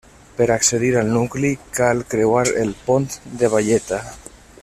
Per accedir al nucli cal creuar el pont de Valleta.